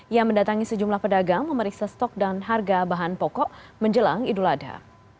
ia mendatangi sejumlah pedagang memeriksa stok dan harga bahan pokok menjelang idul adha